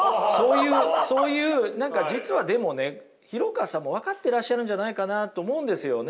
そういう何か実はでもね廣川さんも分かってらっしゃるんじゃないかなと思うんですよね。